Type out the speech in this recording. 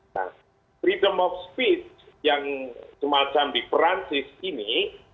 nah freedom of speech yang semacam di perancis ini